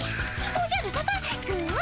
おじゃるさま具は？